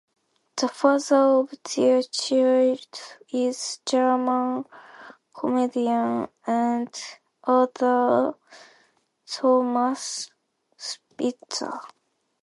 The father of her child is German comedian and author Thomas Spitzer.